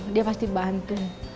dia pasti bantu